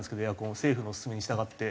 政府の勧めに従って。